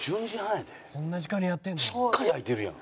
しっかり開いてるやん。